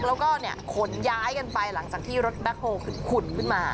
แล้วก็ขนย้ายกันไปหลังจากที่รถแบ็คโฮลคือขุ่นขึ้นมา